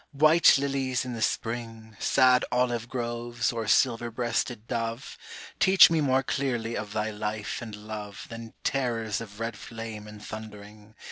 white lilies in the spring, Sad olive groves, or silver breasted dove, Teach me more clearly of thy life and love Than terrors of red flame and thundering.